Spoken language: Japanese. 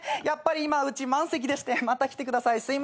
やっぱり今うち満席でしてまた来てください。